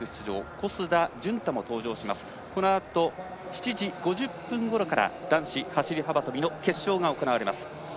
このあと７時５０分ごろから男子走り幅跳びの決勝が行われます。